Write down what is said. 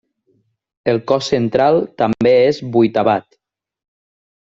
El cos central també és vuitavat.